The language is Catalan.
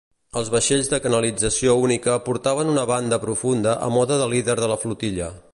Els vaixells de canalització única portaven una banda profunda a mode de líder de la flotilla.